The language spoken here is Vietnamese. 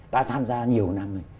đã tham gia nhiều năm rồi